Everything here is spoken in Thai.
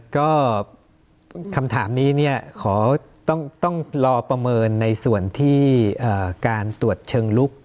ก็คำถามนี้ขอต้องรอประเมินในส่วนที่การตรวจเชิงลุก